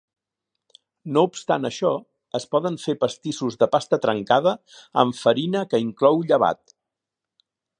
No obstant això, es poden fer pastissos de pasta trencada amb farina que inclou llevat.